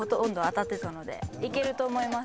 いけると思います。